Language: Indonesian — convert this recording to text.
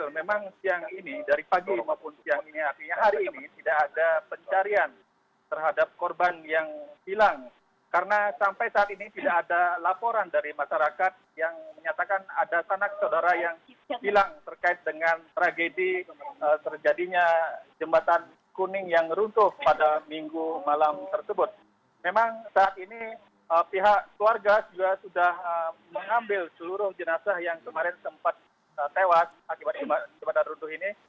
memang saat ini pihak keluarga juga sudah mengambil seluruh jenazah yang kemarin sempat tewas akibat jembatan runduh ini